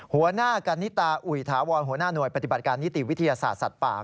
หัวหน้ากันนิตาอุ๋ยถาวรหัวหน้าหน่วยปฏิบัติการนิติวิทยาศาสตร์สัตว์ป่า